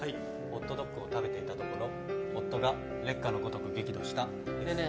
「ホットドッグを食べていたところ夫が烈火のごとく激怒した」です。